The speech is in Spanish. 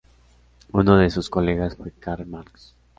Uno de sus colegas fue Karl Marx.